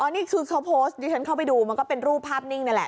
นี่คือเขาโพสต์ดิฉันเข้าไปดูมันก็เป็นรูปภาพนิ่งนั่นแหละ